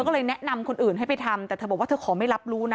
ก็เลยแนะนำคนอื่นให้ไปทำแต่เธอบอกว่าเธอขอไม่รับรู้นะ